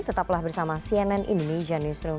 tetaplah bersama cnn indonesia newsroom